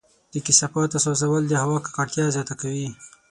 د کثافاتو سوځول د هوا ککړتیا زیاته کوي.